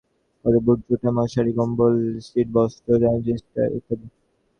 মুক্তিযোদ্ধাদের জন্য আরও সরবরাহ করে বুট জুতা, মশারি, কম্বল, শীতবস্ত্র, ট্রানজিস্টার ইত্যাদি।